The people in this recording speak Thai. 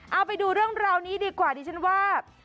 เอาไปดูเรื่องราวนี้ดีกว่าดิฉันว่า